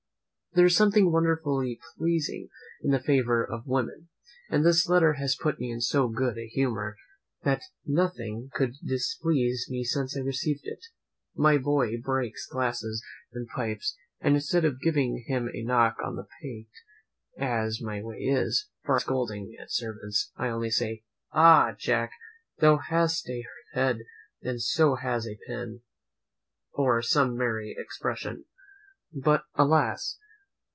There is something wonderfully pleasing in the favour of women; and this letter has put me in so good a humour, that nothing could displease me since I received it. My boy breaks glasses and pipes, and instead of giving him a knock on the pate, as my way is, for I hate scolding at servants, I only say, "Ah, Jack! thou hast a head, and so has a pin," or some such merry expression. But, alas!